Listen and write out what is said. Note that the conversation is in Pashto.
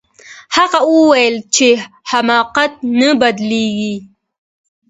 هغه وویل چي حماقت نه بدلیږي.